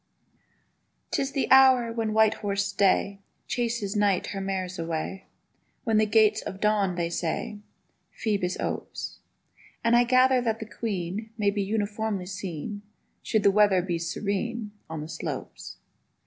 'TIS the hour when white horsed Day Chases Night her mares away; When the Gates of Dawn (they say) Phœbus opes: And I gather that the Queen May be uniformly seen, Should the weather be serene, On the slopes.